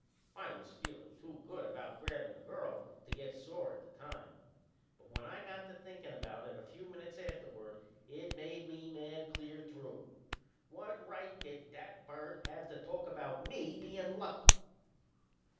I was feelin' too good about grabbin' the girl to get sore at the time; but when I got to thinkin' about it a few minutes afterward it made me mad clear through. What right did that bird have to talk about me bein' lucky?